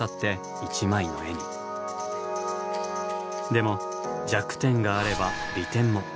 でも弱点があれば利点も。